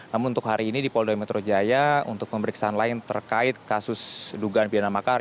namun untuk hari ini di polda metro jaya untuk pemeriksaan lain terkait kasus dugaan pidana makar